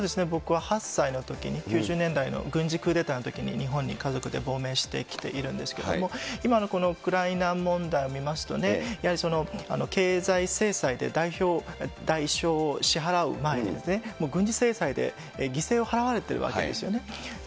僕は８歳のときに、９０年代の軍事クーデターのときに、日本に家族で亡命してきているんですけれども、今のこのウクライナ問題を見ますとね、やはり経済制裁で代償を支払う前に、軍事制裁で犠牲を払われているですよね。